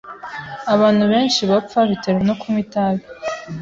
Abantu benshi bapfa biterwa no kunywa itabi.